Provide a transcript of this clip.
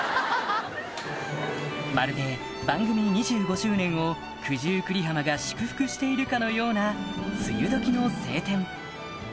まるで番組２５周年を九十九里浜が祝福しているかのような梅雨時の晴天